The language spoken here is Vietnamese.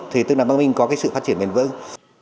thì tức là bắc ninh có cái sự phát triển bền vững